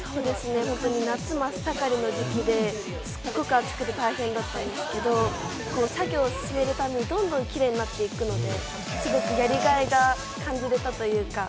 夏真っ盛りの時期で、すごく暑くて大変だったんですけれども、作業を進めるたびに、どんどんキレイになっていくので、やりがいを感じられたというか。